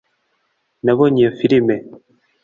nabonye iyo firime